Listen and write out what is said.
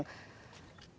biasanya kalau orang